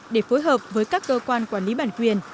để phối hợp với các cơ quan quản lý bản quyền